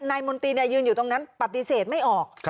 มนตรียืนอยู่ตรงนั้นปฏิเสธไม่ออก